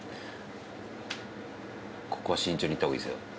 ここは慎重にいった方がいいですよ。